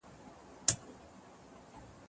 زه بايد زده کړه وکړم!؟